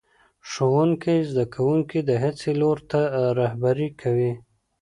ښوونکی زده کوونکي د هڅې لور ته رهبري کوي